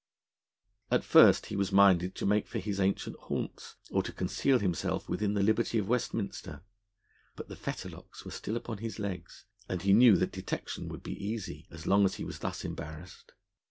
At first he was minded to make for his ancient haunts, or to conceal himself within the Liberty of Westminster; but the fetter locks were still upon his legs, and he knew that detection would be easy as long as he was thus embarrassed.